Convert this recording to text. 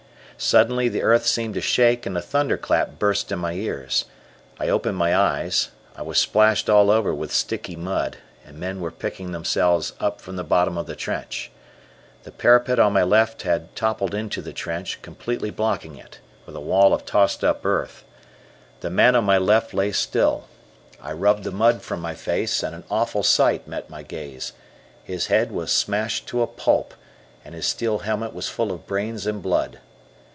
Suddenly, the earth seemed to shake and a thunderclap burst in my ears. I opened my eyes, I was splashed all over with sticky mud, and men were picking themselves up from the bottom of the trench. The parapet on my left had toppled into the trench, completely blocking it with a wall of tossed up earth. The man on my left lay still. I rubbed the mud from my face, and an awful sight met my gaze his head was smashed to a pulp, and his steel helmet was full of brains and blood.